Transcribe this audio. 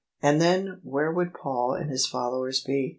And then where would Paul and his followers be?